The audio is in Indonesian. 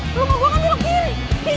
lo mau gue kan jalan kiri